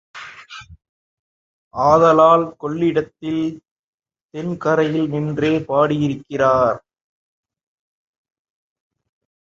ஆதலால் கொள்ளிடத்தின் தென் கரையில் நின்றே பாடியிருக்கிறார்.